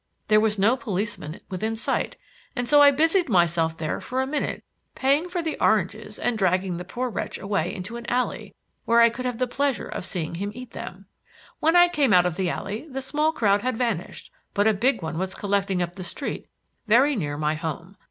There was no policeman within sight, and so I busied myself there for a minute paying for the oranges and dragging the poor wretch away into an alley, where I could have the pleasure of seeing him eat them. When I came out of the alley the small crowd had vanished, but a big one was collecting up the street very near my home.